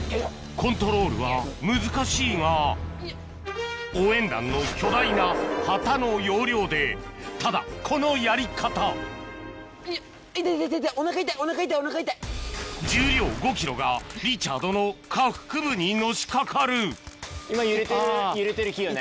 コントロールは難しいが応援団の巨大な旗の要領でただこのやり方重量５ｋｇがリチャードの下腹部にのしかかる今揺れてる揺れてる木よね。